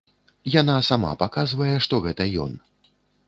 Яна сама паказвае, што гэта ён.